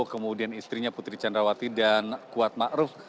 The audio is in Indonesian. kemudian istrinya putri candrawati dan kuatmaruf